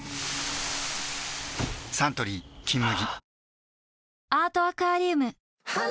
サントリー「金麦」